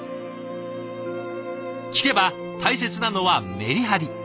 聞けば大切なのはメリハリ。